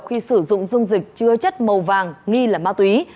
khi sử dụng dung dịch chứa chất màu vàng nghi là ma túy